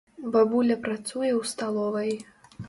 Бабуля працуе ў сталовай.